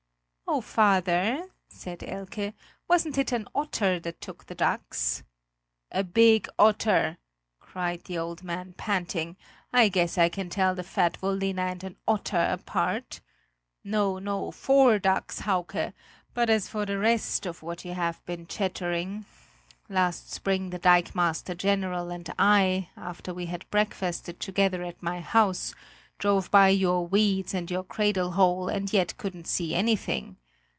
"Oh, father," said Elke, "wasn't it an otter that took the ducks?" "A big otter!" cried the old man, panting; "I guess I can tell the fat Vollina and an otter apart! No, no, four ducks, Hauke but as for the rest of what you have been chattering last spring the dikemaster general and I, after we had breakfasted together at my house, drove by your weeds and your cradle hole and yet couldn't see anything.